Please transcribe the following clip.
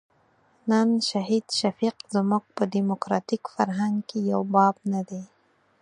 نن شهید شفیق زموږ په ډیموکراتیک فرهنګ کې یو باب نه دی.